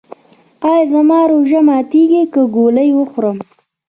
ایا زما روژه ماتیږي که ګولۍ وخورم؟